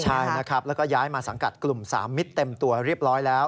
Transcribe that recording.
ใช่นะครับแล้วก็ย้ายมาสังกัดกลุ่ม๓มิตรเต็มตัวเรียบร้อยแล้ว